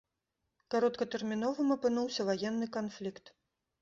Кароткатэрміновым апынуўся ваенны канфлікт.